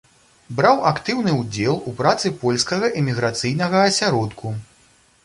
Браў актыўны ўдзел у працы польскага эміграцыйнага асяродку.